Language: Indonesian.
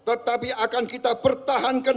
tetapi akan kita pertahankan